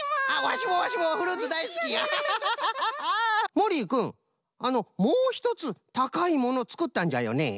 もりいくんもうひとつ「たかいもの」つくったんじゃよね？